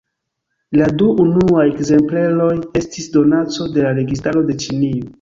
La du unuaj ekzempleroj estis donaco de la registaro de Ĉinio.